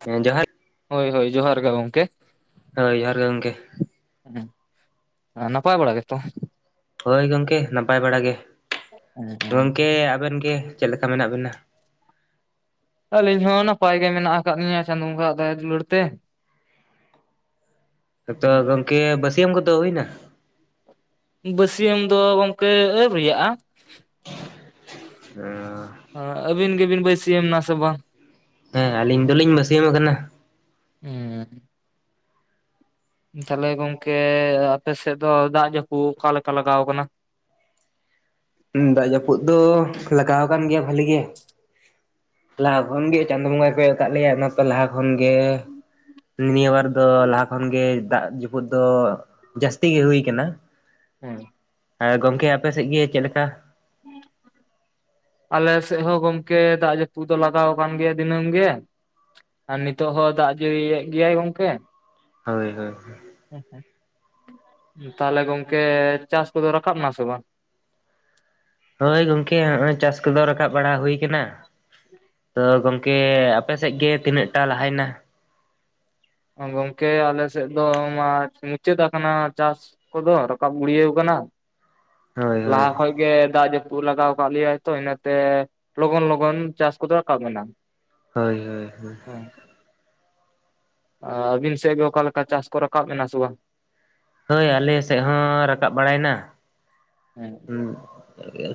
ᱦᱮᱸ ᱡᱚᱦᱟᱨ ᱦᱳᱭ ᱦᱳᱭ ᱡᱚᱦᱟᱨ ᱜᱮ ᱜᱚᱢᱠᱮ᱾ ᱦᱳᱭ ᱡᱚᱦᱟᱨ ᱜᱮ ᱜᱚᱝᱠᱮ᱾ ᱦᱮᱸ ᱱᱟᱯᱟᱭ ᱵᱟᱲᱟ ᱜᱮᱛᱚ᱾ ᱦᱳᱭ ᱜᱚᱝᱠᱮ ᱱᱟᱯᱟᱭ ᱵᱟᱲᱟ ᱜᱮ, ᱜᱚᱝᱠᱮ ᱟᱵᱮᱱ ᱜᱮ ᱪᱮᱫ ᱞᱮᱠᱟ ᱢᱮᱱᱟᱜ ᱵᱮᱱᱟ? ᱟᱹᱞᱤᱧ ᱦᱚᱸ ᱱᱟᱯᱟᱭ ᱜᱮ ᱢᱮᱱᱟᱜ ᱟᱠᱟᱫ ᱞᱤᱧᱟ ᱪᱟᱸᱫᱳ ᱵᱚᱸᱜᱟ-ᱟᱜ ᱫᱟᱭᱟ ᱫᱩᱞᱟᱹᱲ ᱛᱮ᱾ ᱟᱫᱚ ᱜᱚᱝᱠᱮ ᱵᱟᱹᱥᱭᱟᱹᱢ ᱠᱚᱫᱚ ᱦᱩᱭ ᱮᱱᱟ᱾ ᱵᱟᱹᱥᱭᱟᱹᱢ ᱫᱚ ᱜᱚᱢᱠᱮ ᱟᱹᱣᱨᱤᱭᱟᱜᱼᱟ᱾ ᱚ ᱟᱹᱵᱤᱱ ᱜᱮᱵᱤᱱ ᱵᱟᱹᱭᱥᱤᱭᱟᱹᱢ ᱮᱱᱟ ᱥᱮ ᱵᱟᱝ? ᱦᱮᱸ ᱟᱞᱤᱧ ᱫᱚᱞᱤᱧ ᱵᱟᱹᱥᱭᱟᱹᱢ ᱟᱠᱟᱱᱟ᱾ ᱦᱮᱸ ᱛᱟᱦᱞᱮ ᱜᱚᱝᱠᱮ ᱟᱯᱮ ᱥᱮᱫ ᱫᱚ ᱫᱟᱜ ᱡᱟᱹᱯᱩ ᱚᱠᱟ ᱞᱮᱠᱟ ᱞᱟᱜᱟᱣ ᱟᱠᱟᱱᱟ᱾ ᱫᱟᱜ ᱡᱟᱯᱩᱫ ᱫᱚ ᱞᱟᱜᱟᱣ ᱟᱠᱟᱱ ᱜᱮᱭᱟ ᱵᱷᱟᱞᱤ ᱜᱮ᱾ ᱞᱟᱦᱟ ᱠᱷᱚᱱᱜᱮ ᱪᱟᱸᱫᱚ ᱵᱚᱸᱜᱟᱭ ᱠᱚᱭᱚᱜ ᱠᱟᱜ ᱞᱮᱭᱟ ᱚᱱᱟᱛᱮ ᱞᱟᱦᱟ ᱠᱷᱚᱱᱜᱮ, ᱱᱤᱭᱟᱹ ᱵᱟᱨ ᱫᱚ ᱞᱟᱦᱟ ᱠᱷᱚᱱ ᱜᱮ ᱫᱟᱜ ᱡᱟᱹᱯᱩᱫ ᱫᱚ ᱡᱟᱥᱛᱤ ᱜᱮ ᱦᱩᱭ ᱠᱟᱱᱟ᱾ ᱦᱮᱸ ᱦᱮᱸ ᱜᱚᱢᱠᱮ ᱟᱯᱮ ᱥᱮᱡ ᱜᱮ ᱪᱮᱫ ᱞᱮᱠᱟ? ᱟᱞᱮ ᱥᱮᱡ ᱦᱚᱸ ᱜᱚᱢᱠᱮ ᱫᱟᱜ ᱡᱟᱹᱯᱩᱫ ᱫᱚ ᱞᱟᱜᱟᱣ ᱟᱠᱟᱱ ᱜᱮᱭᱟ ᱫᱤᱱᱟᱹᱢ ᱜᱮ᱾ ᱟᱨ ᱱᱤᱛᱚᱜ ᱦᱚᱸ ᱫᱟᱜ ᱡᱟᱹᱲᱤᱭᱮᱜ ᱜᱮᱭᱟᱭ ᱜᱚᱝᱠᱮ᱾ ᱦᱳᱭ ᱦᱳᱭ ᱦᱮᱸ ᱦᱮᱸ ᱛᱟᱦᱞᱮ ᱜᱚᱝᱠᱮ ᱪᱟᱥ ᱠᱚᱫᱚ ᱨᱟᱠᱟᱵ ᱮᱱᱟ ᱥᱮ ᱵᱟᱝ? ᱦᱳᱭ ᱜᱚᱝᱠᱮ ᱱᱚᱜ-ᱚᱭ ᱪᱟᱥ ᱠᱚᱫᱚ ᱨᱟᱠᱟᱵ ᱵᱟᱲᱟ ᱦᱩᱭ ᱠᱟᱱᱟ᱾ ᱛᱚ ᱜᱚᱢᱠᱮ ᱟᱯᱮᱥᱮᱜ ᱜᱮ ᱛᱤᱱᱟᱹᱜ ᱴᱟ ᱞᱟᱦᱟᱭᱱᱟ? ᱜᱚᱝᱠᱮ ᱟᱞᱮ ᱥᱮᱫ ᱫᱚ ᱢᱟ ᱢᱩᱪᱟᱹᱫ ᱟᱠᱟᱱᱟ ᱪᱟᱥ᱾ ᱠᱚᱫᱚ ᱨᱟᱠᱟᱵ ᱜᱩᱲᱤᱭᱟᱹᱣ ᱟᱠᱟᱱᱟ᱾ ᱦᱳᱭ ᱦᱳᱭ ᱞᱟᱦᱟ ᱠᱷᱚᱡ ᱜᱮ ᱫᱟᱜ ᱡᱟᱹᱯᱩᱫ ᱞᱟᱜᱟᱣ ᱠᱟᱜ ᱞᱮᱭᱟᱭ ᱛᱚ ᱤᱱᱟᱹ ᱛᱮ᱾ ᱞᱚᱜᱚᱱ ᱞᱚᱜᱚᱱ ᱪᱟᱥ ᱠᱚᱫᱚ ᱨᱟᱠᱟᱵ ᱮᱱᱟ᱾ ᱦᱳᱭ ᱦᱳᱭ ᱦᱳᱭ, ᱦᱚᱭ ᱟᱹᱵᱤᱱ ᱥᱮᱫ ᱜᱮ ᱚᱠᱟ ᱞᱮᱠᱟ ᱪᱟᱥ ᱠᱚ ᱨᱟᱠᱟᱵ ᱮᱱᱟ ᱥᱮ ᱵᱟᱝ? ᱦᱟᱹᱭ ᱟᱞᱮ ᱥᱮᱜ ᱦᱚᱸ ᱨᱟᱠᱟᱵ ᱵᱟᱲᱟᱭᱮᱱᱟ᱾ ᱦᱮᱸ᱾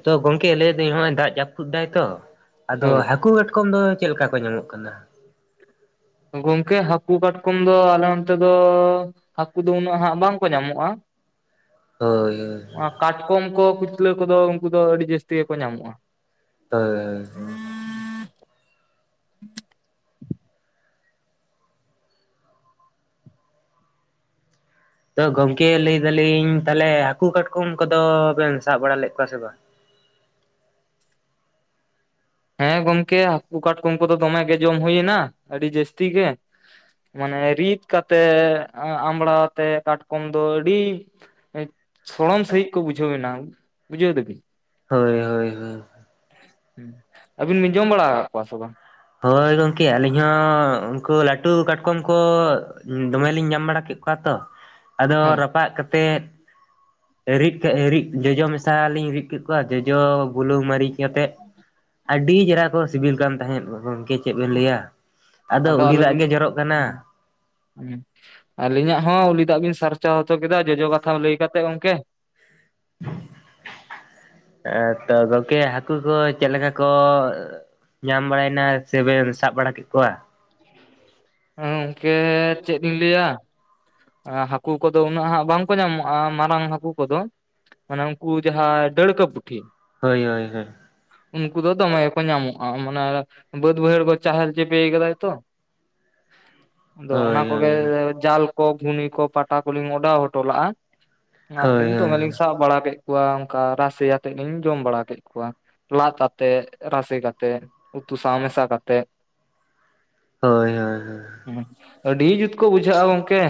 ᱛᱚ ᱜᱚᱝᱠᱮ ᱞᱟᱹᱭᱫᱟᱹᱧ ᱱᱚᱜᱼᱚᱭ ᱫᱟᱜᱽ ᱡᱟᱯᱩᱫ ᱫᱟᱭ ᱛᱚ ᱟᱫᱚ ᱦᱳᱭ ᱦᱟᱹᱠᱩ ᱠᱟᱴ ᱠᱚᱢ ᱫᱚ ᱪᱮᱫ ᱞᱮᱠᱟ ᱠᱚ ᱧᱟᱢᱚᱜ ᱠᱟᱱᱟ, ᱜᱚᱝᱠᱮ ᱦᱟᱹᱠᱩ ᱠᱟᱴᱠᱚᱢ ᱫᱚ ᱟᱞᱮ ᱚᱱᱛᱮ ᱫᱚ ᱦᱟᱹᱠᱩ ᱫᱚ ᱩᱱᱟᱹᱜ ᱦᱟᱸᱜ ᱵᱟᱝᱠᱚ ᱧᱟᱢᱚᱜᱼᱟ᱾ ᱦᱳᱭ ᱦᱳᱭ, ᱚᱱᱟ ᱠᱟᱴᱠᱚᱢ ᱠᱚ ᱠᱩᱪᱞᱟᱹ ᱠᱚᱫᱚ ᱩᱱᱠᱩ ᱫᱚ ᱟᱹᱰᱤ ᱡᱟᱹᱥᱛᱤ ᱜᱮᱠᱚ ᱧᱟᱢᱚᱜᱼᱟ᱾ ᱦᱚᱭ ᱦᱚᱭ᱾ ᱛᱚ ᱜᱚᱝᱠᱮ ᱞᱟᱹᱭ ᱫᱟᱞᱤᱧ ᱛᱟᱦᱚᱞᱮ ᱦᱟᱹᱠᱩ ᱠᱟᱴᱠᱚᱢ ᱠᱚᱫᱚ ᱵᱮᱱ ᱥᱟᱵ ᱵᱟᱲᱟ ᱞᱮᱫ ᱠᱚᱣᱟ ᱥᱮ ᱵᱟᱝ? ᱦᱮᱸ ᱜᱚᱝᱠᱮ ᱦᱟᱹᱠᱩ ᱠᱟᱴᱠᱚᱢ ᱠᱚᱫᱚ ᱫᱚᱢᱮ ᱜᱮ ᱡᱚᱢ ᱦᱩᱭᱱᱟ ᱟᱹᱰᱤ ᱡᱟᱹᱥᱛᱤ ᱜᱮ᱾ ᱢᱟᱱᱮ ᱨᱤᱫ ᱠᱟᱛᱮᱜ ᱟᱸᱢᱵᱟᱲᱟᱛᱮ ᱠᱟᱴᱠᱚᱢ ᱫᱚ ᱟᱹᱰᱤ, ᱥᱚᱲᱚᱢ ᱥᱟᱹᱦᱤᱡ ᱠᱚ ᱵᱩᱡᱷᱟᱹᱣᱱᱟ ᱵᱩᱡᱷᱟᱹᱣ ᱫᱟᱹᱵᱤᱱ᱾ ᱦᱳᱭ, ᱦᱳᱭ ᱦᱳᱭ ᱟᱹᱵᱤᱱ ᱵᱤᱱ ᱡᱚᱢ ᱵᱟᱲᱟ ᱟᱠᱟᱛ ᱠᱚᱣᱟ ᱥᱮ ᱵᱟᱝ? ᱦᱳᱭ ᱜᱚᱢᱠᱮ ᱟᱹᱞᱤᱧ ᱦᱚᱸ ᱩᱱᱠᱩ ᱞᱟᱹᱴᱩ ᱠᱟᱴᱠᱚᱢ ᱠᱚ ᱫᱚᱢᱮᱞᱤᱧ ᱧᱟᱢ ᱵᱟᱲᱟ ᱠᱮᱜ, ᱠᱩᱣᱟ ᱛᱚ ᱟᱫᱚ ᱦᱳᱭ ᱨᱟᱯᱟᱜ ᱠᱟᱛᱮᱫ, ᱨᱤᱫ ᱠᱮᱫ ᱨᱤᱫ ᱡᱚᱡᱚ ᱢᱮᱥᱟ ᱞᱤᱧ ᱨᱤᱫ ᱠᱮᱫ, ᱠᱚᱣᱟ ᱡᱚᱡᱚ ᱵᱩᱞᱩᱝ ᱢᱟᱹᱨᱤᱪ ᱠᱟᱛᱮᱫ ᱟᱹᱰᱤ ᱪᱮᱦᱨᱟ ᱠᱚ ᱥᱤᱵᱤᱞ ᱠᱟᱱ ᱛᱟᱦᱮᱸᱫ ᱜᱚᱝᱠᱮ, ᱪᱮᱫ ᱵᱮᱱ ᱞᱟᱹᱭᱟ ᱟᱫᱚ ᱩᱞᱤ ᱫᱟᱜᱽ ᱜᱮ ᱡᱚᱨᱚᱜ ᱠᱟᱱᱟ᱾ ᱟᱹᱞᱤᱧᱟᱜ ᱦᱚᱸ ᱩᱞᱤ ᱫᱟᱜᱽ ᱵᱤᱱ ᱥᱟᱨᱪᱟᱣ ᱦᱚᱪᱚ ᱠᱮᱫᱟ ᱡᱚᱡᱚ ᱠᱟᱛᱷᱟ ᱞᱟᱹᱭ ᱠᱟᱛᱮᱫ ᱜᱚᱝᱠᱮ᱾ ᱮᱸ ᱛᱚ ᱜᱚᱝᱠᱮ ᱦᱟᱹᱠᱩ ᱠᱚ ᱪᱮᱫ ᱞᱮᱠᱟ ᱠᱚ, ᱧᱟᱢ ᱵᱟᱲᱟᱭᱮᱱᱟ ᱥᱮᱵᱮᱱ ᱥᱟᱵ ᱵᱟᱲᱟ ᱠᱮᱜ ᱠᱚᱣᱟ, ᱦᱮᱸ ᱜᱚᱝᱠᱮ ᱪᱮᱫ ᱞᱤᱧ ᱞᱟᱹᱭᱟ, ᱦᱟᱹᱠᱩ ᱠᱚᱫᱚ ᱩᱱᱟᱹᱜ ᱦᱟᱸᱜ ᱵᱟᱝᱠᱚ ᱧᱟᱢᱚᱜᱼᱟ ᱢᱟᱨᱟᱝ ᱦᱟᱹᱠᱩ ᱠᱚᱫᱚ᱾ ᱚᱱᱮ ᱩᱱᱠᱩ ᱡᱟᱦᱟᱸᱭ ᱰᱟᱹᱲᱠᱟ. ᱯᱩᱴᱷᱤ, ᱦᱳᱭ ᱦᱳᱭ ᱦᱳᱭ, ᱩᱱᱠᱩ ᱫᱚ ᱫᱚᱢᱮ ᱜᱮᱠᱚ ᱧᱟᱢᱚᱜᱼᱟ ᱢᱟᱱᱮ ᱵᱟᱹᱫ ᱵᱟᱹᱭᱦᱟᱹᱲ ᱠᱚ ᱪᱟᱦᱮᱞ ᱪᱮᱯᱮ ᱠᱟᱫᱟᱭ᱾ ᱛᱚ ᱚᱱᱟ ᱦᱳᱭ ᱟᱫᱚ ᱠᱚᱜᱮ ᱡᱟᱞ ᱠᱚ ᱜᱷᱩᱱᱤ ᱠᱚ ᱯᱟᱴᱟ ᱠᱚᱞᱤᱧ ᱚᱰᱟᱣ ᱦᱚᱴᱚ ᱞᱟᱜᱼᱟ ᱦᱳᱭ ᱱᱤᱛ ᱫᱚ ᱵᱟᱹᱞᱤᱧ ᱥᱟᱵ, ᱵᱟᱲᱟ ᱠᱮᱜ ᱠᱚᱣᱟ ᱚᱱᱠᱟ ᱨᱟᱥᱮ ᱟᱛᱮᱜ ᱞᱤᱧ ᱡᱚᱢ ᱵᱟᱲᱟ ᱠᱮᱜ ᱠᱚᱣᱟ᱾ ᱞᱟᱫ ᱟᱛᱮ ᱨᱟᱥᱮ ᱠᱟᱛᱮ ᱩᱛᱩ ᱥᱟᱶ ᱢᱮᱥᱟ ᱠᱟᱛᱮᱜ, ᱦᱳᱭ ᱦᱳᱭ ᱦᱳᱭ, ᱦᱩᱸ ᱟᱹᱰᱤ ᱡᱩᱛ ᱠᱚ ᱵᱩᱡᱷᱟᱹᱜᱼᱟ ᱜᱚᱝᱠᱮ᱾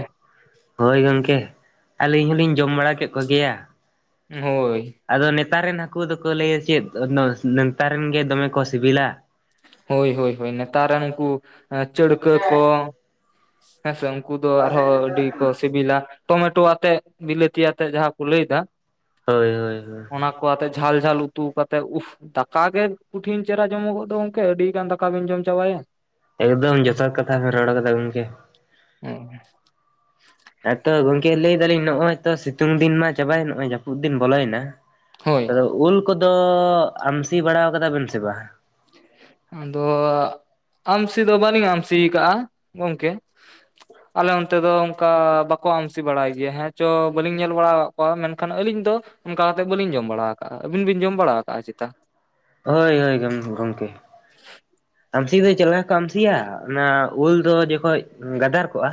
ᱦᱳᱭ ᱜᱚᱝᱠᱮ ᱟᱹᱞᱤᱧ ᱦᱚᱞᱤᱧ ᱡᱚᱢ ᱵᱟᱲᱟ ᱠᱮᱜ ᱠᱚ ᱜᱮᱭᱟ᱾ ᱦᱳᱭ, ᱟᱫᱚ ᱱᱮᱛᱟᱨ ᱨᱮᱱ ᱦᱟᱹᱠᱩ ᱫᱚᱠᱚ ᱞᱟᱹᱭᱟ ᱪᱮᱫ ᱱᱮᱛᱟᱨ ᱨᱮᱱ ᱜᱮ ᱫᱚᱢᱮ ᱠᱚ ᱥᱤᱵᱤᱞᱟ, ᱦᱳᱭ ᱦᱳᱭ ᱦᱳᱭ ᱱᱮᱛᱟᱨ ᱨᱮᱱ ᱩᱱᱠᱩ ᱪᱟᱹᱲᱠᱟᱹ ᱠᱚ᱾ ᱦᱮᱸ ᱥᱮ ᱩᱱᱠᱩ ᱫᱚ ᱟᱨᱦᱚᱸ ᱟᱹᱰᱤ ᱠᱚ ᱥᱤᱵᱤᱞᱟ, ᱴᱚᱢᱮᱴᱳ ᱟᱛᱮᱜ ᱵᱤᱞᱟᱹᱛᱤ ᱟᱛᱮᱜ ᱡᱟᱦᱟᱸ ᱠᱚ ᱞᱟᱹᱭ ᱫᱟ, ᱦᱳᱭ ᱦᱳᱭ, ᱦᱳᱭ ᱚᱱᱟ ᱠᱚ ᱟᱛᱮ ᱡᱷᱟᱞ ᱡᱷᱟᱞ ᱩᱛᱩ ᱠᱟᱛᱮᱜ ᱩᱯᱷ ᱫᱟᱠᱟ ᱜᱮ ᱠᱩᱴᱷᱤᱱ ᱪᱮᱦᱨᱟ ᱡᱚᱢᱚᱜᱚᱜ ᱫᱚ, ᱜᱚᱝᱠᱮ ᱟᱹᱰᱤ ᱜᱟᱱ ᱫᱟᱠᱟ ᱵᱮᱱ ᱡᱚᱢ ᱪᱟᱵᱟᱭᱮᱜ᱾ ᱮᱠᱫᱚᱢ ᱡᱚᱛᱷᱟᱛ ᱠᱟᱛᱷᱟ ᱵᱤᱱ ᱨᱚᱲ ᱠᱟᱫᱟ ᱜᱚᱢᱠᱮᱼᱼ ᱦᱮᱸ ᱟᱫᱚ ᱜᱚᱝᱠᱮ ᱞᱟᱹᱭ ᱫᱟᱞᱤᱧ ᱱᱚᱜ-ᱚᱭ ᱛᱚ ᱥᱤᱛᱩᱝ ᱫᱤᱱ ᱢᱟ ᱪᱟᱵᱟᱭᱮᱱ ᱱᱚᱜ-ᱚᱭ ᱡᱟᱹᱯᱩᱫ ᱫᱤᱱ ᱵᱚᱞᱚᱭᱮᱱᱟ᱾ ᱦᱳᱭ ᱟᱫᱚ ᱩᱞ ᱠᱚᱫᱚ ᱟᱢᱥᱤ ᱵᱟᱲᱟ ᱠᱟᱫᱟ ᱵᱮᱱ ᱥᱮ ᱵᱟᱝ? ᱟᱫᱚ ᱟᱢᱥᱤ ᱫᱚ ᱵᱟᱹᱞᱤᱧ ᱟᱢᱥᱤ ᱠᱟᱜᱼᱟ ᱜᱚᱢᱠᱮᱼᱼ ᱟᱞᱮ ᱚᱱᱛᱮ ᱫᱚ ᱚᱱᱠᱟ ᱵᱟᱠᱚ ᱟᱢᱥᱤ ᱵᱟᱲᱟᱭ ᱜᱮᱭᱟ ᱦᱮᱸ ᱪᱚ ᱵᱟᱹᱞᱤᱧ ᱧᱮᱞ ᱵᱟᱲᱟ ᱠᱟᱜ ᱠᱚᱣᱟ ᱢᱮᱱᱠᱷᱟᱱ ᱟᱹᱞᱤᱧ ᱫᱚᱼᱼ ᱚᱱᱠᱟ ᱠᱟᱛᱮᱫ ᱵᱟᱹᱞᱤᱧ ᱡᱚᱢ ᱵᱟᱲᱟ ᱠᱟᱜᱼᱟ ᱟᱹᱵᱤᱱ ᱵᱤᱱ ᱡᱚᱢ ᱵᱟᱲᱟ ᱟᱠᱟᱜᱼᱟ ᱪᱮᱛᱟ᱾ ᱦᱳᱭ ᱦᱳᱭ ᱜᱚᱢ ᱜᱚᱢᱠᱮᱼᱼ [inaudible] ᱟᱢᱥᱤ ᱫᱚ ᱪᱮᱫ ᱞᱮᱠᱟ ᱠᱚ ᱟᱢᱥᱤᱭᱟ ᱚᱱᱟ ᱩᱞ ᱫᱚ ᱡᱚᱠᱷᱚᱱ ᱜᱟᱫᱟᱨ ᱠᱚᱜᱼᱟ᱾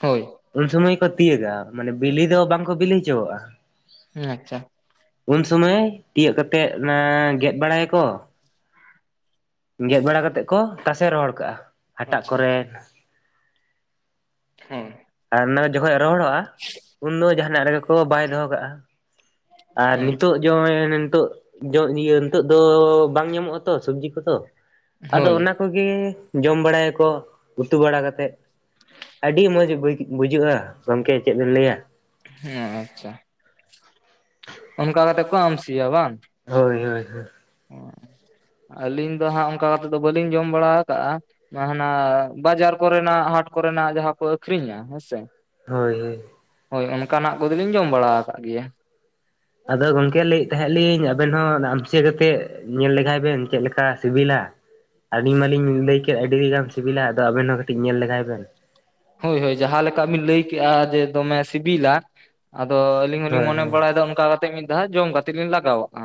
ᱦᱳᱭ ᱩᱱ ᱥᱚᱢᱚᱭ ᱠᱚ ᱛᱤᱭᱟᱹᱜᱟ ᱢᱟᱱᱮ ᱵᱤᱞᱤ ᱫᱚ ᱵᱟᱝᱠᱚ ᱵᱤᱞᱤ ᱚᱪᱚᱣᱟᱜᱼᱟ᱾ ᱦᱮᱸ ᱟᱪᱪᱷᱟ ᱩᱱ ᱥᱚᱢᱟᱹᱭ ᱛᱤᱭᱚᱜ ᱠᱟᱛᱮᱫ ᱚᱱᱟ ᱜᱮᱫ ᱵᱟᱲᱟᱭᱟᱠᱚᱼᱼ ᱜᱮᱫ ᱵᱟᱲᱟ ᱠᱟᱛᱮᱫ ᱠᱚ ᱛᱟᱥᱮ ᱨᱚᱦᱚᱲ ᱠᱟᱜᱼᱟ ᱦᱟᱴᱟᱜ ᱟᱪᱪᱷᱟ ᱠᱚᱨᱮᱼᱼ ᱦᱮᱸ ᱟᱨ ᱚᱱᱟ ᱡᱚᱠᱷᱚᱡ ᱨᱚᱦᱚᱲᱚᱜᱼᱟ᱾ ᱩᱱ ᱫᱚ ᱡᱟᱦᱟᱸᱱᱟᱜ ᱨᱮᱜᱮ ᱠᱚ ᱵᱟᱭ ᱫᱚᱦᱚ ᱠᱟᱜᱼᱟ ᱟᱨ ᱟᱪᱪᱷᱟ ᱱᱤᱛᱚᱜ᱾ ᱡᱚ ᱱᱤᱛᱚᱜ ᱡᱚ ᱤᱭᱟᱹ ᱱᱤᱛᱚᱜ ᱫᱚ ᱵᱟᱝ ᱧᱟᱢᱚᱜᱼᱟ ᱛᱚ ᱥᱟᱹᱵᱽᱡᱤ ᱠᱚᱫᱚ, ᱟᱫᱚ ᱦᱳᱭ ᱚᱱᱟᱼᱼ ᱠᱚᱜᱮ ᱡᱚᱢ ᱵᱟᱲᱟᱭᱟᱠᱚ ᱩᱛᱩ ᱵᱟᱲᱟ ᱠᱟᱛᱮ ᱟᱹᱰᱤ ᱢᱚᱡᱽ ᱵᱟᱹᱭ ᱵᱩᱡᱷᱟᱹᱜᱼᱟ ᱜᱚᱢᱠᱮ ᱪᱮᱫ ᱵᱮᱱ ᱞᱟᱹᱭᱟ᱾ ᱦᱮᱸ ᱟᱪᱪᱷᱟ ᱚᱱᱠᱟ ᱠᱟᱛᱮᱫ ᱠᱚ ᱟᱢ ᱥᱤᱭᱟ ᱵᱟᱝ? ᱦᱳᱭ ᱦᱳᱭ ᱦᱳᱭ ᱟᱹᱞᱤᱧ ᱫᱚ ᱦᱟᱸᱜ ᱚᱱᱠᱟ ᱠᱟᱛᱮ ᱫᱚ ᱵᱟᱹᱞᱤᱧ ᱡᱚᱢ ᱵᱟᱲᱟᱣ ᱟᱠᱟᱜᱼᱟ᱾ ᱡᱟᱦᱟᱸᱱᱟᱜ ᱵᱟᱡᱟᱨ ᱠᱚᱨᱮᱱᱟᱜ ᱦᱟᱴ ᱠᱚᱨᱮᱱᱟᱜ ᱡᱟᱦᱟᱸ ᱠᱚ ᱟᱹᱠᱷᱨᱤᱧᱟ ᱦᱮᱸ ᱥᱮᱼᱼ ᱦᱳᱭ ᱦᱳᱭ ᱦᱳᱭ ᱚᱱᱠᱟᱱᱟᱜ ᱠᱚᱫᱚᱞᱤᱧ ᱡᱚᱢ ᱵᱟᱲᱟᱣ ᱟᱠᱟᱫ ᱜᱮᱭᱟ᱾ ᱟᱫᱚ ᱜᱚᱝᱠᱮ ᱞᱟᱹᱭᱮᱫ ᱛᱟᱦᱮᱸᱫ ᱞᱤᱧ ᱟᱵᱮᱱ ᱦᱚᱸ ᱚᱱᱟ ᱟᱢ ᱪᱤᱭᱟᱹ ᱠᱟᱛᱮᱫ ᱧᱮᱞ ᱞᱮᱜᱟᱭ ᱵᱮᱱ ᱪᱮᱫ ᱞᱮᱠᱟ ᱥᱤᱵᱤᱞᱟ᱾ ᱟᱹᱞᱤᱧ ᱢᱟᱞᱤᱧ ᱞᱟᱹᱭ ᱠᱮᱫ ᱟᱹᱰᱤᱜᱟᱱ ᱥᱤᱵᱤᱞᱟ ᱟᱫᱚ ᱟᱵᱮᱱ ᱦᱚᱸ ᱠᱟᱹᱴᱤᱡ ᱧᱮᱞ ᱞᱮᱜᱟᱭ ᱵᱮᱱᱼᱼ ᱦᱳᱭ ᱦᱳᱭ ᱡᱟᱦᱟᱸ ᱞᱮᱠᱟ ᱵᱤᱱ ᱞᱟᱹᱭ ᱠᱮᱫᱼᱟ ᱡᱮ ᱫᱚᱢᱮ ᱥᱤᱵᱤᱞᱟ ᱟᱫᱚᱼᱼ ᱟᱹᱞᱤᱧ ᱦᱚᱞᱤᱧ ᱦᱳᱭ ᱢᱚᱱᱮ ᱦᱳᱭ ᱵᱟᱲᱟᱭᱫᱟ ᱚᱱᱠᱟ ᱠᱟᱛᱮ ᱢᱤᱫ ᱫᱷᱟᱣ ᱡᱚᱢ ᱠᱟᱜᱼᱼ ᱛᱮ ᱞᱤᱧ ᱞᱟᱜᱟᱣᱟᱜᱼᱟ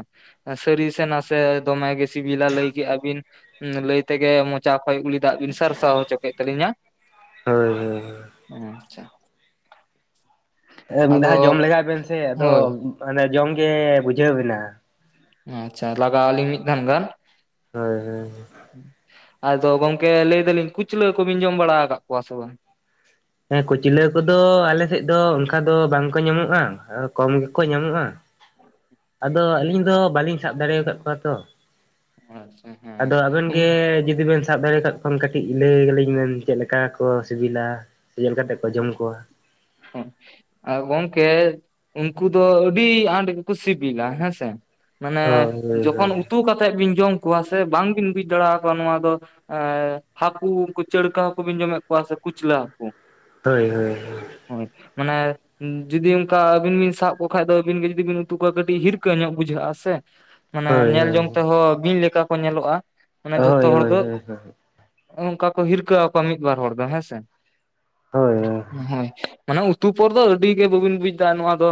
ᱥᱟᱹᱨᱤ ᱥᱮ ᱱᱟᱥᱮ ᱫᱚᱢᱮ ᱜᱮ ᱥᱤᱵᱤᱞᱟ ᱞᱟᱹᱭ ᱠᱮᱜᱼᱟ ᱵᱤᱱ? ᱦᱩᱸ ᱞᱟᱹᱭ ᱛᱮᱜᱮ ᱢᱚᱪᱟ ᱠᱷᱚᱡ ᱩᱞᱤ ᱫᱟᱜ ᱵᱤᱱ ᱥᱟᱨᱥᱟᱣ ᱦᱚᱪᱚ ᱠᱮᱜ ᱛᱟᱹᱞᱤᱧᱟ? ᱦᱟᱹᱭ ᱦᱟᱹᱭ ᱦᱮᱸ ᱟᱪᱪᱷᱟ ᱦᱮᱸ ᱢᱤᱫ ᱟᱫᱚ ᱫᱷᱟᱣ ᱡᱚᱢ ᱞᱮᱜᱟᱭ ᱵᱮᱱ ᱥᱮ ᱟᱫᱚ ᱦᱳᱭ ᱢᱟᱱᱮ ᱡᱚᱢ ᱜᱮ ᱵᱩᱡᱷᱟᱹᱣ ᱵᱮᱱᱟ᱾ ᱦᱩᱸ ᱟᱪᱪᱷᱟ ᱞᱟᱜᱟᱣ ᱟᱹᱞᱤᱧ ᱢᱤᱫ ᱫᱷᱟᱣ ᱜᱟᱱ᱾ ᱦᱟᱹᱭ ᱦᱟᱹᱭ ᱟᱫᱚ ᱜᱚᱝᱠᱮ ᱞᱟᱹᱭ ᱫᱟᱹᱞᱤᱧ ᱠᱩᱪᱞᱟᱹ ᱠᱚᱵᱤᱱ ᱡᱚᱢ ᱵᱟᱲᱟᱣ ᱟᱠᱟᱫ ᱠᱚᱣᱟ ᱥᱮ ᱵᱟᱝ? ᱦᱮᱸ ᱠᱩᱪᱞᱟᱹ ᱠᱚᱫᱚ ᱟᱞᱮ ᱥᱮᱫ ᱫᱚ ᱚᱱᱠᱟ ᱫᱚ ᱵᱟᱝ ᱠᱚ ᱧᱟᱢᱚᱜᱼᱟ ᱠᱚᱢ ᱜᱮᱠᱚ ᱧᱟᱢᱚᱜᱼᱟ᱾ ᱟᱫᱚ ᱟᱹᱞᱤᱧ ᱫᱚ ᱵᱟᱹᱞᱤᱧ ᱥᱟᱵ ᱫᱟᱲᱮᱣ ᱟᱠᱟᱫ ᱠᱚᱣᱟ ᱛᱚᱼᱼ ᱟᱪᱪᱷᱟ ᱟᱫᱚ ᱟᱵᱮᱱ ᱦᱮᱸ ᱜᱮ ᱡᱩᱫᱤ ᱵᱮᱱᱼᱼ ᱥᱟᱵ ᱫᱟᱲᱮ ᱟᱠᱟᱫ ᱠᱷᱟᱱ ᱠᱟᱹᱴᱤᱡ ᱞᱟᱹᱭ ᱟᱹᱞᱤᱧ ᱵᱮᱱ ᱪᱮᱫ ᱞᱮᱠᱟ ᱠᱚ ᱥᱤᱵᱤᱞᱟ ᱥᱮ ᱪᱮᱫ ᱞᱮᱠᱟᱛᱮ ᱠᱚ ᱡᱚᱢ ᱠᱚᱣᱟ? ᱦᱚᱸᱜ ᱟ ᱜᱚᱝᱠᱮ, ᱩᱱᱠᱩ ᱫᱚ ᱟᱹᱰᱤ ᱟᱸᱴ ᱜᱮᱠᱚ ᱥᱤᱵᱤᱞᱟ ᱦᱮᱸ ᱥᱮ ᱾ ᱢᱟᱱᱮ ᱦᱳᱭ ᱡᱚᱠᱷᱚᱱ ᱩᱛᱩ ᱠᱟᱛᱮᱫ ᱵᱤᱱ ᱡᱚᱢ ᱠᱚᱣᱟ ᱥᱮ ᱵᱟᱝᱵᱤᱱ ᱵᱩᱡᱽ ᱫᱟᱲᱮᱣᱟᱠᱚᱣᱟ ᱱᱚᱣᱟ ᱫᱚᱼᱼ ᱟᱸ ᱦᱟᱹᱠᱩ ᱩᱱᱠᱩ ᱪᱟᱹᱲᱠᱟᱹ ᱦᱟᱹᱠᱩ ᱵᱤᱱ ᱡᱚᱢᱮᱜ ᱠᱚᱣᱟ ᱥᱮ ᱠᱩᱪᱞᱟᱹ ᱦᱟᱠᱩ? ᱦᱳᱭ ᱦᱳᱭ ᱦᱳᱭ ᱦᱚᱭ ᱢᱟᱱᱮᱼᱼ ᱦᱩᱸ, ᱡᱩᱫᱤ ᱚᱱᱠᱟ ᱟᱹᱵᱤᱱ ᱵᱤᱱ ᱥᱟᱵ ᱠᱚ ᱠᱷᱟᱡ ᱫᱚ ᱟᱹᱵᱤᱱ ᱜᱮ ᱡᱩᱫᱤ ᱵᱤᱱ ᱩᱛᱩ ᱠᱚᱣᱟ ᱠᱟᱹᱴᱤᱡ ᱦᱤᱨᱠᱟᱹ ᱧᱚᱜ ᱵᱩᱡᱷᱟᱹᱜᱼᱟ ᱥᱮ ᱾ ᱢᱟᱱᱮ ᱦᱳᱭ ᱧᱮᱞ ᱡᱚᱝ ᱛᱮᱦᱚᱸ ᱵᱤᱧ ᱞᱮᱠᱟ ᱠᱚ ᱧᱮᱞᱚᱜᱼᱟ, ᱢᱟᱱᱮ ᱡᱷᱚᱛᱚ ᱦᱳᱭ ᱦᱚᱲ ᱦᱳᱭ ᱦᱳᱭ ᱦᱳᱭ ᱫᱚᱼᱼ ᱱᱚᱝᱠᱟ ᱠᱚ ᱦᱤᱨᱠᱟᱹ ᱟᱠᱚᱣᱟ ᱢᱤᱫ ᱵᱟᱨ ᱦᱚᱲ ᱫᱚ ᱦᱮᱸ ᱥᱮ ᱾ ᱦᱳᱭ ᱦᱳᱭ [unintelligible] ᱦᱮᱸ ᱢᱟᱱᱮ ᱩᱛᱩ ᱯᱚᱨ ᱫᱚ ᱟᱹᱰᱤ ᱜᱮ ᱵᱟᱹᱵᱤᱱ ᱵᱩᱡᱽ ᱮᱫᱟ ᱱᱚᱣᱟ ᱫᱚ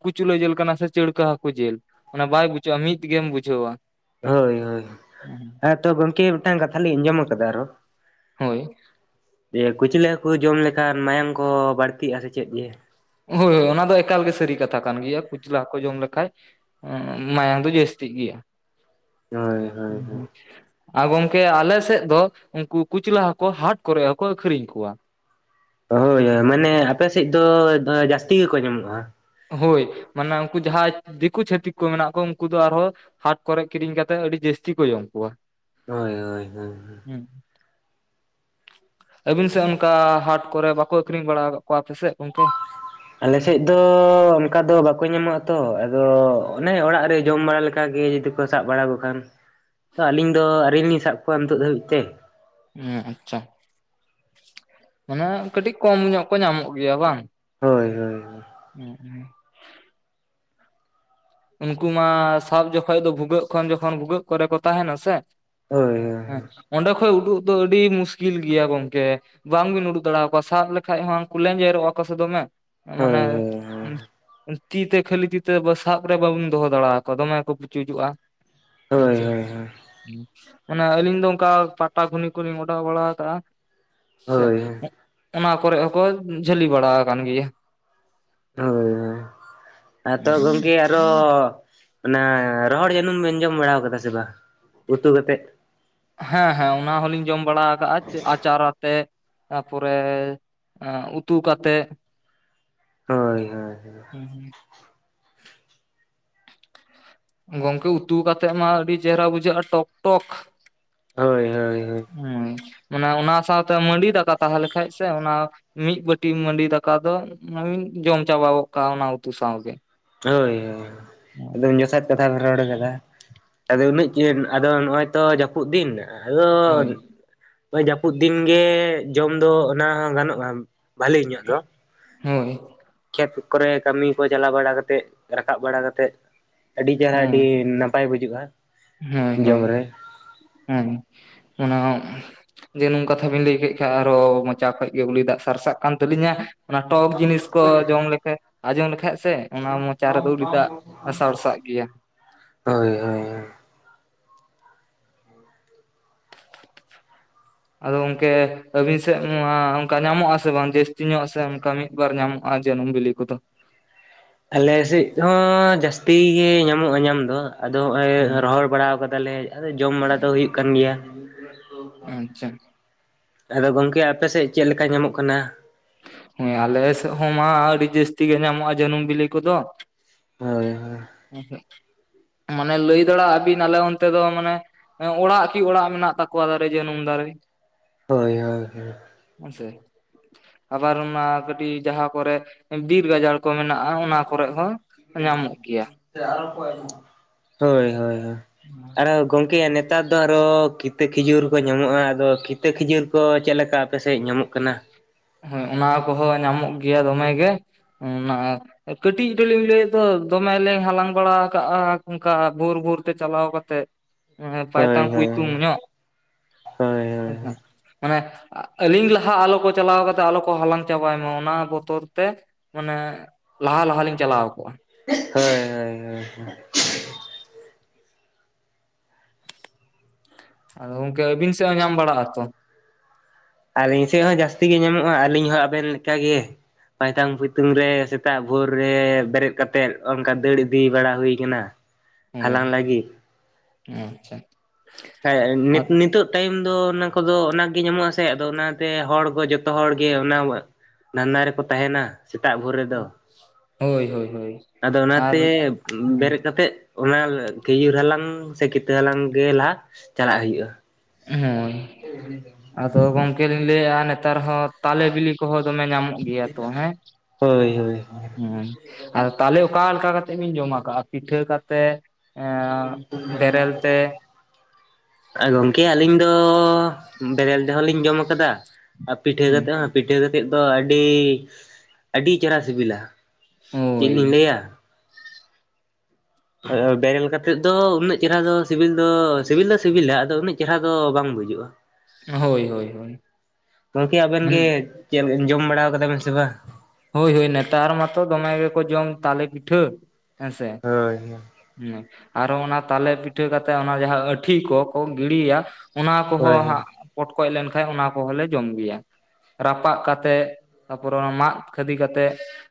ᱠᱩᱪᱞᱟᱹ ᱡᱤᱞ ᱠᱟᱱᱟ ᱥᱮ ᱪᱟᱹᱲᱠᱟᱹ ᱦᱟᱠᱩ ᱡᱤᱞ ᱾ ᱚᱱᱟ ᱵᱟᱭ ᱵᱩᱡᱷᱟᱹᱜᱼᱟ, ᱢᱤᱫ ᱜᱮᱢ ᱵᱩᱡᱷᱟᱹᱣᱟ ᱾ ᱦᱳᱭ ᱦᱳᱭ, ᱦᱮᱸ ᱛᱚ ᱜᱚᱢᱠᱮ ᱢᱤᱫᱴᱟᱝ ᱠᱟᱛᱷᱟ ᱞᱤᱧ ᱟᱸᱡᱚᱢ ᱠᱟᱫᱟ ᱚᱨᱚᱼᱼ ᱦᱳᱭ ᱡᱮ ᱠᱩᱪᱞᱟᱹ ᱦᱟᱹᱠᱩ ᱡᱚᱢ ᱞᱮᱠᱷᱟᱱ ᱢᱟᱭᱟᱝ ᱠᱚ ᱵᱟᱹᱲᱛᱤᱜᱼᱟ ᱥᱮ ᱪᱮᱫ ᱡᱮ? ᱦᱳᱭ ᱦᱳᱭ ᱚᱱᱟ ᱫᱚ ᱮᱠᱟᱞ ᱜᱮ ᱥᱟᱹᱨᱤ ᱠᱟᱛᱷᱟ ᱠᱟᱱ ᱜᱮᱭᱟ, ᱠᱩᱪᱞᱟᱹ ᱦᱟᱠᱩ ᱡᱚᱢ ᱞᱮᱠᱷᱟᱡᱼᱼ ᱮᱸᱜ ᱮᱸ ᱢᱟᱭᱟᱝ ᱫᱚ ᱡᱟᱹᱥᱛᱤᱜ ᱜᱮᱭᱟ ᱦᱳᱭ ᱾ ᱦᱳᱭ ᱦᱳᱭ [unintelligible] ᱟᱸ ᱜᱚᱝᱠᱮ ᱟᱞᱮ ᱥᱮᱫ ᱫᱚ, ᱩᱝᱠᱩ ᱠᱩᱪᱞᱟᱹ ᱦᱟᱠᱩ ᱦᱟᱴ ᱠᱚᱨᱮ ᱦᱚᱸ ᱠᱚ ᱟᱹᱠᱷᱨᱤᱧ ᱠᱚᱣᱟ ᱾ ᱦᱳᱭ ᱦᱳᱭ ᱢᱟᱱᱮ ᱟᱯᱮ ᱥᱮᱫ ᱫᱚ ᱡᱟᱹᱥᱛᱤ ᱜᱮᱠᱚ ᱧᱟᱢᱚᱜᱼᱟ ᱾ ᱦᱳᱭ, ᱢᱟᱱᱮ ᱩᱱᱠᱩ ᱡᱟᱸᱦᱟ ᱫᱤᱠᱩ ᱪᱷᱟᱹᱛᱤᱠ ᱠᱚ ᱢᱮᱱᱟᱜ ᱠᱚᱣᱟ ᱩᱱᱠᱩ ᱫᱚ ᱟᱨ ᱦᱚᱸᱼᱼ ᱦᱟᱴ ᱠᱚᱨᱮ ᱠᱤᱨᱤᱧ ᱠᱟᱛᱮᱫ ᱟᱹᱰᱤ ᱡᱟᱹᱥᱛᱤ ᱠᱚ ᱡᱚᱢ ᱠᱚᱣᱟ ᱾ ᱦᱳᱭ ᱦᱳᱭ ᱦᱳᱭ [unintelligible] ᱟᱹᱵᱤᱱ ᱥᱮᱫ ᱚᱱᱠᱟ ᱦᱟᱴ ᱠᱚᱨᱮ ᱵᱟᱠᱚ ᱟᱹᱠᱷᱨᱤᱧ ᱵᱟᱲᱟᱣ ᱟᱠᱟᱫ ᱠᱚᱣᱟ ᱟᱯᱮ ᱥᱮᱫ ᱜᱚᱝᱠᱮ? ᱟᱞᱮ ᱥᱮᱫ ᱫᱚ ᱚᱱᱠᱟ ᱫᱚ ᱵᱟᱠᱚ ᱧᱟᱢᱚᱜ-ᱟ ᱛᱚ, ᱟᱫᱚ ᱚᱱᱮ ᱚᱲᱟᱜ ᱨᱮ ᱡᱚᱢ ᱵᱟᱲᱟ ᱞᱮᱠᱟ ᱜᱮ ᱡᱩᱫᱤ ᱾ ᱥᱟᱵ ᱵᱟᱲᱟ ᱠᱚ ᱠᱷᱟᱱ, ᱛᱚ ᱟᱹᱞᱤᱧ ᱫᱚ ᱟᱹᱣᱨᱤ ᱞᱤᱧ ᱥᱟᱵ ᱠᱚᱣᱟ ᱱᱤᱛᱚᱜ ᱫᱷᱟᱹᱵᱤᱡ ᱛᱮ ᱾ ᱦᱮᱸ ᱟᱪᱪᱷᱟ, ᱢᱟᱱᱮ ᱠᱟᱹᱴᱤᱡ ᱠᱚᱢ ᱧᱚᱜ ᱠᱚ ᱧᱟᱢᱚᱜ ᱜᱮᱭᱟ ᱵᱟᱝ ᱾ ᱦᱳᱭ ᱦᱳᱭ [inaudible] [unintelligible] ᱩᱱᱠᱩ ᱢᱟ ᱥᱟᱵ ᱡᱚᱠᱷᱚᱡ ᱫᱚ ᱵᱷᱩᱜᱟᱹᱜ ᱠᱷᱚᱱ ᱡᱚᱠᱷᱚᱱ ᱵᱷᱩᱜᱟᱹᱜ ᱠᱚᱨᱮ ᱠᱚ ᱛᱟᱸᱦᱮᱱᱟ ᱥᱮ ᱾ ᱦᱳᱭ ᱦᱳᱭ ᱦᱮᱸ [unintelligible] ᱚᱸᱰᱮ ᱠᱷᱚᱡ ᱩᱰᱩᱠ ᱫᱚ ᱟᱹᱰᱤ ᱢᱩᱥᱠᱤᱞ ᱜᱮᱭᱟ ᱜᱚᱝᱠᱮ ᱾ ᱵᱟᱝ ᱵᱤᱱ ᱩᱰᱩᱜ ᱫᱟᱲᱮᱣ ᱠᱚᱣᱟ ᱥᱟᱵ ᱞᱮᱠᱷᱟᱡ ᱦᱚᱸ ᱩᱱᱠᱩ ᱞᱮᱸᱡᱮᱨᱚᱜᱼᱟ ᱠᱚ ᱥᱮ ᱫᱚᱢᱮ ᱾ ᱢᱟᱱᱮ, ᱦᱳᱭ ᱛᱤ ᱛᱮ ᱠᱷᱟᱹᱞᱤ ᱛᱤ ᱛᱮ ᱵᱚ ᱥᱟᱵᱼᱼ ᱵᱟᱵᱚᱱ ᱫᱚᱦᱚ ᱫᱟᱲᱮᱣ ᱠᱚᱣᱟ, ᱫᱚᱢᱮ ᱠᱚ ᱯᱩᱪᱩᱡᱩᱜᱼᱟ ᱦᱮᱸ ᱦᱳᱭ ᱥᱮ ᱾ ᱦᱳᱭ ᱢᱟᱱᱮ ᱟᱹᱞᱤᱧ ᱫᱚ ᱚᱱᱠᱟ ᱯᱟᱴᱟ ᱜᱷᱩᱱᱤ ᱠᱚ ᱞᱤᱧ ᱚᱰᱟᱣ ᱵᱟᱲᱟ ᱠᱟᱜᱼᱟ ᱾ ᱥᱮᱡ ᱦᱳᱭ [inaudible] ᱚᱱᱟ ᱠᱚᱨᱮ ᱦᱚᱸ ᱠᱚ ᱡᱷᱟᱹᱞᱤ ᱵᱟᱲᱟᱣ ᱠᱟᱱ ᱜᱮᱭᱟ ᱾ ᱦᱳᱭ ᱟᱫᱚ ᱦᱮᱸ ᱜᱚᱝᱼᱼ ᱠᱮ ᱟᱨᱚ, ᱚᱱᱟ ᱨᱚᱦᱚᱲ ᱡᱟᱹᱱᱩᱢ ᱵᱤᱱ ᱡᱚᱢ ᱵᱟᱲᱟᱣ ᱠᱟᱫᱟ ᱥᱮ ᱵᱟᱝ, ᱩᱛᱩ ᱠᱟᱛᱮᱫ? ᱦᱮᱸ ᱦᱮᱸ ᱚᱱᱟ ᱦᱚᱸᱞᱤᱧ ᱡᱚᱢ ᱵᱟᱲᱟᱣ ᱠᱟᱜᱼᱟ ᱟᱪᱟᱨ ᱟᱛᱮ, ᱛᱟᱯᱚᱨᱮᱼᱼ ᱮ ᱩᱛᱩ ᱠᱟᱛᱮᱫ ᱾ ᱦᱳᱭ ᱦᱳᱭ ᱦᱩᱸ ᱦᱩᱸ ᱜᱚᱝᱠᱮ ᱩᱛᱩ ᱠᱟᱛᱮᱜ ᱢᱟ ᱟᱹᱰᱤ ᱪᱮᱦᱨᱟ ᱵᱩᱡᱷᱟᱹᱜᱼᱟ ᱴᱚᱠ ᱴᱚᱠ ᱾ ᱦᱳᱭ ᱦᱳᱭ ᱦᱳᱭ [unintelligible] ᱢᱟᱱᱮ ᱚᱱᱟ ᱥᱟᱶᱛᱮ ᱢᱟᱹᱰᱤ ᱫᱟᱠᱟ ᱛᱟᱸᱦᱮ ᱞᱮᱱ ᱠᱷᱟᱡ ᱥᱮ ᱚᱱᱟ ᱼᱼ ᱢᱤᱫ ᱵᱟᱹᱴᱤ ᱢᱟᱹᱰᱤ ᱫᱟᱠᱟ [unintelligible] ᱡᱚᱢ ᱪᱟᱵᱟ ᱜᱚᱜ ᱠᱟᱜ-ᱟ ᱚᱱᱟ ᱩᱛᱩ ᱥᱟᱶᱜᱮ᱾ ᱦᱳᱭ ᱦᱳᱭ ᱮᱫᱚᱢ ᱡᱚᱛᱷᱟᱫ᱾ ᱠᱟᱛᱷᱟ ᱵᱮᱢ ᱨᱚᱲ ᱠᱟᱫᱟ, ᱟᱫᱚ ᱩᱱᱟᱹᱜ [unintelligible] ᱟᱫᱚ ᱱᱚᱜ-ᱚᱭ ᱛᱚ ᱡᱟᱹᱯᱩᱫ ᱫᱤᱱ᱾ ᱦᱳᱭ [unintelligible] ᱡᱟᱹᱯᱩᱫ ᱫᱤᱱ ᱜᱮ ᱡᱚᱢ ᱫᱚ ᱚᱱᱟ ᱦᱚᱸ ᱜᱟᱱᱚᱜ-ᱟ᱾ ᱵᱷᱟᱹᱞᱮ ᱧᱚᱜ ᱫᱚ᱾ ᱦᱳᱭ ᱠᱷᱮᱛ ᱠᱚᱨᱮ ᱠᱟᱹᱢᱤ ᱠᱚ ᱪᱟᱞᱟᱣ ᱵᱟᱲᱟ ᱠᱟᱛᱮᱫ ᱨᱟᱠᱟᱵ ᱵᱟᱲᱟ ᱠᱟᱛᱮᱫ ᱟᱹᱰᱤ ᱪᱮᱦᱨᱟ ᱟᱹᱰᱤ᱾ ᱦᱳᱭ [unintelligible] ᱯᱟᱭ ᱵᱩᱡᱩᱜ-ᱟ᱾ ᱦᱳᱭ ᱦᱳᱭ [unintelligible] ᱚᱱᱟ᱾ ᱡᱟᱱᱩᱢ ᱠᱟᱛᱷᱟ ᱵᱮᱱ ᱞᱟᱹᱭ ᱠᱮᱜ ᱠᱷᱟᱡ ᱟᱨᱚ ᱢᱚᱪᱟ ᱠᱷᱚᱱ ᱜᱮ ᱩᱞᱤ ᱫᱟᱜ ᱥᱟᱨᱥᱟᱜ ᱠᱟᱱ ᱛᱟᱹᱞᱤᱧᱟ᱾ ᱚᱱᱟ ᱴᱚᱠ ᱡᱤᱱᱤᱥ ᱠᱚ ᱡᱚᱢ ᱞᱮᱠᱷᱟᱡ ᱟᱸᱡᱚᱢ ᱞᱮᱠᱷᱟᱡ ᱥᱮ᱾ ᱚᱱᱟ ᱢᱚᱪᱟ ᱨᱮᱫᱚ ᱩᱞᱤ ᱫᱟᱜ ᱥᱟᱲᱥᱟᱜ ᱜᱮᱭᱟ᱾ ᱦᱳᱭ ᱦᱳᱭ ᱦᱳᱭ [inaudible] ᱟᱫᱚ ᱜᱚᱝᱠᱮ ᱟᱵᱤᱱ ᱥᱮᱫ ᱢᱟ ᱚᱱᱠᱟ ᱧᱟᱢᱚᱜ-ᱟ ᱥᱮ ᱵᱟᱝ ᱡᱟᱹᱥᱛᱤ ᱧᱚᱜ ᱥᱮ ᱚᱱᱠᱟ ᱢᱤᱫ᱾ ᱵᱟᱨ ᱧᱟᱢᱚᱜ-ᱟ ᱡᱟᱹᱱᱩᱢ ᱵᱤᱞᱤ ᱠᱚ ᱫᱚ᱾ ᱟᱞᱮ ᱥᱮᱫ ᱦᱚ ᱡᱟᱹᱥᱛᱤ ᱜᱮ ᱧᱟᱢᱚᱜ-ᱟ ᱧᱟᱢ ᱫᱚ᱾ ᱟᱫᱚ ᱦᱚᱸᱜ-ᱚᱭ ᱦᱮᱸ ᱨᱚᱦᱚᱲ ᱵᱟᱲᱟᱣ ᱠᱟᱫᱟ ᱞᱮ ᱟᱫᱚ ᱡᱚᱢ ᱵᱟᱲᱟ ᱫᱚ ᱦᱩᱭᱩᱜ ᱠᱟᱱ ᱜᱮᱭᱟ᱾ ᱟᱪᱪᱷᱟ ᱟᱫᱚ ᱜᱚᱝᱠᱮ ᱟᱯᱮ ᱥᱮᱫ ᱪᱮᱫ ᱞᱮᱠᱟ ᱧᱟᱢᱚᱜ ᱠᱟᱱᱟ? ᱦᱩᱭ ᱟᱞᱮ ᱥᱮᱫ ᱦᱚᱸ ᱢᱟ ᱟᱹᱰᱤ ᱡᱟᱹᱥᱛᱤ ᱜᱮ ᱧᱟᱢᱚᱜ-ᱟ ᱡᱟᱹᱱᱩᱢ ᱵᱤᱞᱤ ᱠᱚ ᱫᱚ᱾ ᱦᱳᱭ ᱦᱳᱭ ᱢᱟᱱᱮ ᱞᱟᱹᱭ ᱫᱟᱲᱮᱭᱟᱜ-ᱟ ᱵᱤᱱ ᱟᱞᱮ ᱚᱱᱛᱮ ᱫᱚ ᱢᱟᱱᱮ ᱦᱮᱸ ᱚᱲᱟᱜ ᱠᱤ ᱚᱲᱟᱜ ᱢᱮᱱᱟᱜ ᱛᱟᱠᱚᱣᱟ ᱫᱟᱨᱮ ᱡᱟᱹᱱᱩᱢ ᱫᱟᱨᱮ ᱦᱳᱭ ᱦᱳᱭ ᱦᱳᱭ [unintelligible] ᱟᱵᱟᱨ ᱚᱱᱟ ᱠᱟᱹᱴᱤᱡ ᱡᱟᱦᱟᱸ ᱠᱚᱨᱮ ᱵᱤᱨ ᱜᱟᱡᱟᱲ ᱠᱚ ᱢᱮᱱᱟᱜ-ᱟ ᱚᱱᱟ ᱠᱚᱨᱮ ᱦᱚᱸ ᱧᱟᱢᱚᱜ ᱜᱮᱭᱟ᱾ ᱦᱳᱭ ᱦᱳᱭ ᱦᱳᱭ ᱟᱨᱚ ᱜᱚᱢᱠᱮ ᱱ ᱱᱮᱛᱟᱨ ᱫᱚ ᱟᱨᱚ ᱠᱤᱛᱟᱹ ᱠᱷᱤᱡᱩᱨ ᱠᱚ ᱧᱟᱢᱚᱜ-ᱟ ᱟᱫᱚ ᱠᱤᱛᱟᱹ ᱠᱷᱤᱡᱩᱨ ᱠᱚ ᱪᱮᱫ ᱞᱮᱠᱟ ᱟᱯᱮᱥᱮᱫ ᱧᱟᱢᱚᱜ ᱠᱟᱱᱟ ᱦᱳᱭ ᱚᱱᱟ ᱠᱚᱦᱚᱸ ᱧᱟᱢᱚᱜ ᱜᱮᱭᱟ ᱫᱚᱢᱮᱜ ᱜᱮ ᱚᱱᱟ ᱠᱟᱹᱴᱤᱡ ᱨᱮ ᱞᱤᱧ ᱞᱟᱹᱭᱮᱫ ᱫᱚ ᱫᱚᱢᱮᱮᱞᱤᱧ ᱦᱟᱞᱟᱝ ᱵᱟᱲᱟ ᱠᱟᱜ-ᱟ ᱚᱱᱠᱟ ᱵᱷᱳᱨ ᱵᱷᱳᱨ ᱛᱮ ᱪᱟᱞᱟᱣ ᱠᱟ ᱛᱮᱫ [unintelligible] ᱯᱟᱭ ᱛᱟᱝ ᱦᱳᱭ ᱯᱩᱭ ᱛᱩ ᱦᱳᱭ ᱧᱚᱜ ᱦᱳᱭ ᱦᱳᱭ ᱦᱳᱭ ᱢᱟᱱᱮ ᱟᱹᱞᱤᱧ ᱞᱟᱦᱟ ᱟᱞᱚ ᱠᱚ ᱪᱟᱞᱟᱣ ᱠᱟᱛᱮ ᱟᱞᱚ ᱠᱚ ᱦᱟᱞᱟᱝ ᱪᱟᱵᱟᱭ ᱢᱟ ᱚᱱᱟ ᱵᱚᱛᱚᱨ ᱛᱮ ᱢᱟᱱᱮ ᱞᱟᱦᱟ ᱞᱟᱦᱟ ᱞᱤᱧ ᱪᱟᱞᱟᱣ ᱠᱟᱜ-ᱟ᱾ [unintelligible] [unintelligible] [unintelligible] ᱟᱫᱚ ᱜᱚᱢᱠᱮ ᱟᱹ ᱵᱤᱱ ᱥᱮᱫ ᱦᱚᱸ ᱧᱟᱢ ᱵᱟᱲᱟᱜ ᱟᱛᱚ ᱟᱹᱞᱤᱧ ᱥᱮᱫ ᱦᱚᱸ ᱡᱟᱹᱥᱛᱤ ᱜᱮ ᱧᱟᱢᱚᱜ-ᱟ ᱟᱹᱞᱤᱧ ᱦᱚᱸ ᱟᱵᱮᱱᱠᱟᱜ ᱜᱮ᱾ ᱯᱟᱭᱛᱟᱝ ᱯᱚᱭᱛᱩᱝ ᱨᱮ ᱥᱮᱛᱟᱜ ᱵᱷᱳᱨ ᱨᱮ ᱵᱮᱨᱮᱫ ᱠᱟᱛᱮᱜ ᱚᱱᱠᱟ ᱫᱟᱹᱲ ᱤᱫᱤ ᱵᱟᱲᱟ ᱦᱩᱭ ᱠᱟᱱᱟ [unintelligible] ᱦᱳᱭ ᱞᱟᱹᱜᱤᱫ ᱟᱪᱪᱷᱟ ᱱᱤᱛᱚᱜ ᱴᱟᱭᱤᱢ ᱫᱚ ᱚᱱᱟ ᱠᱚᱫᱚ ᱚᱱᱟᱜ ᱜᱮ ᱧᱟᱢᱚᱜ ᱟᱥᱮ ᱟᱫᱚ ᱚᱱᱟᱛᱮ ᱦᱚᱲ ᱠᱚ ᱡᱚᱛᱚ ᱡᱚᱛᱚ ᱦᱚᱲ ᱜᱮ ᱚᱱᱟ ᱫᱷᱟᱱᱫᱟ ᱨᱮᱠᱚ ᱛᱟᱦᱮᱱᱟ᱾ ᱥᱮᱛᱟᱜ ᱵᱷᱳᱨ ᱨᱮᱫᱚ ᱦᱳᱭ ᱦᱳᱭ ᱦᱳᱭ ᱟᱫᱚ ᱟᱨ ᱚᱱᱟᱛᱮ ᱦᱩᱸ ᱵᱮᱨᱮᱫ ᱠᱟᱛᱮᱜ ᱚᱱᱟ ᱠᱷᱤᱡᱩᱨ ᱦᱟᱞᱟᱝ ᱥᱮ ᱠᱤᱛᱟᱹ ᱦᱟᱞᱟᱝ ᱜᱮ ᱞᱟᱦᱟ ᱪᱟᱞᱟᱜ ᱦᱩᱭᱩᱜᱼᱟ᱾ ᱦᱳ ᱟᱫᱚ ᱜᱚᱝᱠᱮ ᱞᱤᱧ ᱞᱟᱹᱭᱮᱜᱼᱟ ᱱᱮᱛᱟᱨ ᱦᱚᱸ ᱛᱟᱞᱮ ᱵᱤᱞᱤ ᱠᱚᱦᱚᱸ ᱫᱚᱢᱮ ᱧᱟᱢᱚᱜ ᱜᱮᱭᱟ ᱛᱚ ᱦᱮᱸᱼᱼ ᱦᱳᱭ ᱦᱳᱭ ᱦᱳᱭ ᱦᱮᱸ ᱟ ᱛᱟᱦᱚᱞᱮ ᱚᱠᱟ ᱞᱮᱠᱟ ᱠᱟᱛᱮᱫ ᱤᱧ ᱡᱚᱢ ᱠᱟᱜᱼᱟ ᱯᱤᱴᱷᱟᱹ ᱠᱟᱛᱮᱫᱼᱼ ᱮ ᱵᱮᱨᱮᱞ ᱛᱮᱼᱼ ᱜᱚᱝᱠᱮ ᱟᱹᱞᱤᱧ ᱫᱚ ᱵᱮᱨᱮᱞ ᱡᱦ ᱞᱤᱧ ᱡᱚᱢ ᱠᱟᱫᱟ᱾ ᱟᱨ ᱯᱤᱴᱷᱟᱹ ᱠᱟᱛᱮᱫ ᱦᱚᱸ ᱯᱤᱴᱷᱟᱹ ᱠᱟᱛᱮᱫ ᱫᱚ ᱟᱹᱰᱤ ᱟᱹᱰᱤ ᱪᱮᱨᱦᱨᱟ ᱥᱤᱵᱤᱞᱟ᱾ ᱤᱧ ᱦᱳᱭ ᱞᱤᱧ ᱞᱟᱹᱭᱟ᱾ ᱵᱮᱨᱮᱞ ᱠᱟ ᱠᱟᱛᱮᱫ ᱫᱚ ᱩᱱᱟᱹᱜ ᱪᱮᱦᱨᱟ ᱫᱚ ᱥᱤᱵᱤᱞ ᱫᱚ ᱥᱤᱵᱤᱞ ᱫᱚ ᱥᱤᱵᱤᱞᱟ ᱟᱫᱚ ᱩᱱᱟᱹᱜᱼᱼ ᱪᱮᱦᱨᱟ ᱫᱚ ᱵᱟᱝ ᱵᱩᱡᱩᱜᱼᱟ᱾ ᱦᱳᱭ ᱦᱳᱭ ᱦᱳᱭ ᱜᱚᱢᱠᱮ ᱟᱵᱮᱱ ᱜᱮ ᱪᱮᱫ ᱡᱚᱢ ᱵᱟᱲᱟ ᱠᱟᱫᱟᱵᱮᱱ ᱥᱮ ᱵᱟᱝ? ᱦᱳᱭ ᱦᱳᱭ ᱱᱮᱛᱟᱨ ᱢᱟᱛᱚ ᱫᱚᱢᱮ ᱜᱮᱠᱚ ᱡᱚᱢ ᱛᱟᱞᱮ ᱯᱤᱴᱷᱟᱹ ᱦᱮᱸᱥᱮᱼᱼ ᱦᱳᱭ ᱦᱳᱭ ᱦᱮᱸ ᱟᱨᱚ ᱚᱱᱟ ᱛᱟᱞᱮ ᱯᱤᱴᱷᱟᱹ ᱠᱟᱛᱮᱜ ᱚᱱᱟ ᱡᱟᱦᱟᱸ ᱟᱹᱴᱷᱤ ᱠᱚᱠᱚ ᱜᱤᱰᱤᱭᱟ᱾ ᱚᱱᱟ ᱦᱳᱭ ᱠᱚᱦᱚᱸ ᱦᱳᱭ ᱦᱟᱸᱜ ᱯᱚᱴᱠᱚᱡ ᱞᱮᱱᱠᱟᱱ ᱚᱱᱟ ᱠᱚᱦᱚᱸ ᱞᱮ ᱡᱚᱢ ᱜᱮᱭᱟ ᱨᱟᱯᱟᱜ ᱠᱟᱛᱮᱜ ᱛᱟᱯᱚᱨᱮ ᱚᱱᱟ ᱢᱟᱜᱼᱼ ᱠᱷᱟᱫᱤ ᱠᱟᱛᱮᱫ